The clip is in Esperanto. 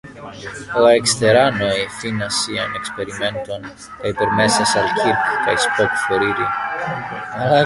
La eksterteranoj finas sian eksperimenton kaj permesas al Kirk kaj Spock foriri.